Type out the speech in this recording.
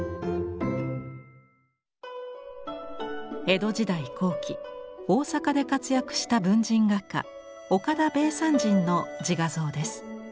江戸時代後期大坂で活躍した文人画家岡田米山人の自画像です。